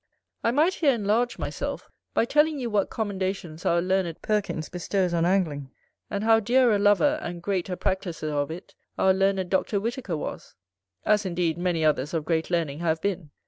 I might here enlarge myself, by telling you what commendations our learned Perkins bestows on Angling: and how dear a lover, and great a practiser of it, our learned Dr. Whitaker was; as indeed many others of great learning have been.